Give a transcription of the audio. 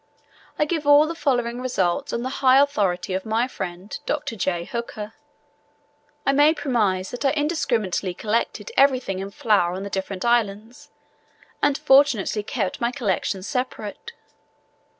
I give all the following results on the high authority of my friend Dr. J. Hooker. I may premise that I indiscriminately collected everything in flower on the different islands, and fortunately kept my collections separate.